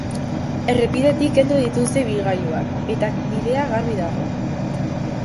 Errepidetik kendu dituzte ibilgailuak eta bidea garbi dago.